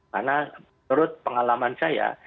karena menurut pengalaman saya